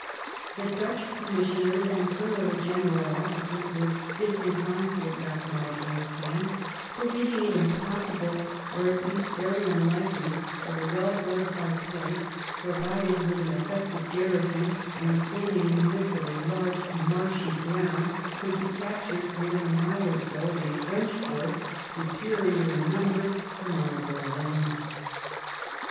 The Dutch Commissioners and some of the general officers were disinclined to adopt Marlborough's plan, believing it impossible, or at least very unlikely, that a well fortified place pro vided with an effective garrison, and standing in the midst of a large marshy ground, could be captured within a mile or so of a French force superior in numbers to Marlborough's own. 46 THE REIGN OF QUEEN ANNE. ch. ixiii.